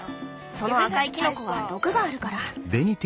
その赤いキノコは毒があるから。